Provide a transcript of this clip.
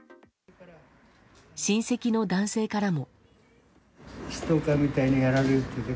親戚の男性からも。